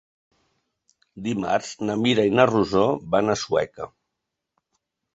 Dimarts na Mira i na Rosó van a Sueca.